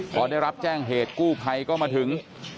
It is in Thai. พอได้รับแจ้งเหตุกู้ภัยก็มาถึง